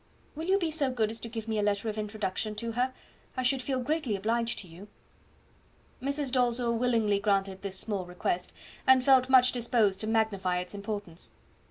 Will you be so good as give me a letter of introduction to her; I should feel greatly obliged to you." Mrs. Dalzell willingly granted this small request, and felt much disposed to magnify its importance.